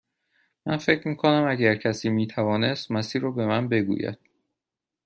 من فکر می کنم اگر کسی می توانست مسیر را به من بگوید.